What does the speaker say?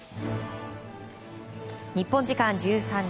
日本時間１３日